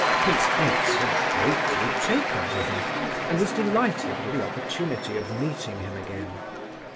Prince S. had greatly taken to him, and was delighted with the opportunity of meeting him again.